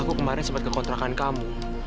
aku kemarin sempat ke kontrakan kamu